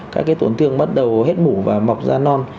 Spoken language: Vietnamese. các cái tổn thương bắt đầu hết mũi và mọc da non